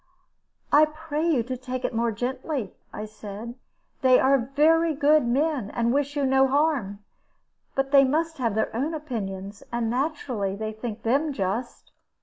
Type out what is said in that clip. "I pray you to take it more gently," I said; "they are very good men, and wish you no harm. But they must have their own opinions; and naturally they think them just."